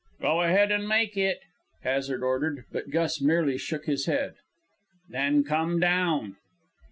"Go ahead and make it!" Hazard ordered; but Gus merely shook his head. "Then come down!"